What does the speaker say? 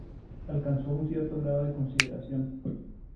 alcanzó un cierto grado de consideración